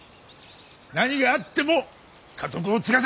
何があっても家督を継がせるんだ！